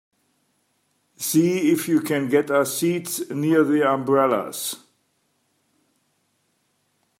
See if you can get us seats near the umbrellas.